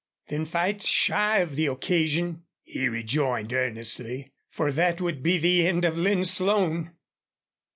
"Then fight shy of the occasion," he rejoined, earnestly. "For that would be the end of Lin Slone!"